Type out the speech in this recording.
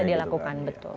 itu bisa dilakukan betul